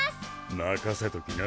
任せときな！